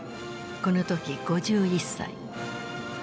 この時５１歳。